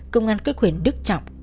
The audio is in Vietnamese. công an kết quyền đức trọng